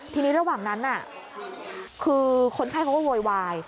ทีนี้ระหว่างนั้นคือคนไข้เขาก็โวยวาย